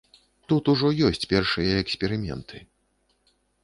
Тут ужо ёсць першыя эксперыменты.